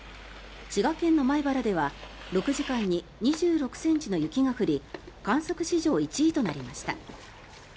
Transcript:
滋賀県の米原では６時間に２６ｃｍの雪が降り観測史上１位となりました。